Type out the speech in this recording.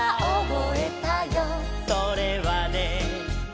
「それはね」